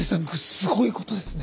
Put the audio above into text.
すごいことですね